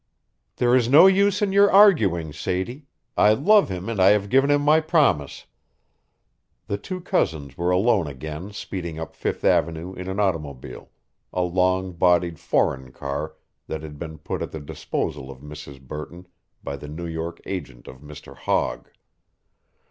"Now there is no use in your arguing, Sadie I love him and I have given him my promise." The two cousins were alone again speeding up Fifth avenue in an automobile, a long bodied foreign car that had been put at the disposal of Mrs. Burton by the New York agent of Mr. Hogg.